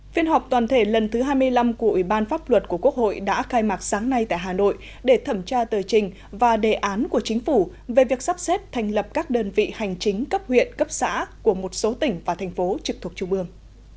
phiên họp toàn thể lần thứ hai mươi năm của ủy ban pháp luật của quốc hội đã khai mạc sáng nay tại hà nội để thẩm tra tờ trình và đề án của chính phủ về việc sắp xếp thành lập các đơn vị hành chính cấp huyện cấp xã của một số tỉnh và thành phố trực thuộc trung ương